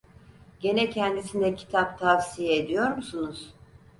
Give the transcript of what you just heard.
Gene kendisine kitap tavsiye ediyor musunuz?